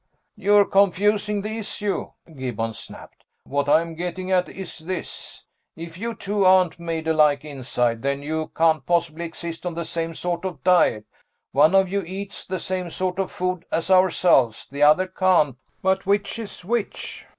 "You're confusing the issue," Gibbons snapped. "What I'm getting at is this if you two aren't made alike inside, then you can't possibly exist on the same sort of diet. One of you eats the same sort of food as ourselves. The other can't. But which is which?"